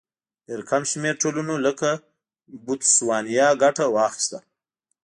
ډېر کم شمېر ټولنو لکه بوتسوانیا ګټه واخیسته.